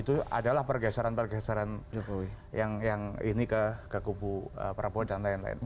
itu adalah pergeseran pergeseran jokowi yang ini ke kubu prabowo dan lain lain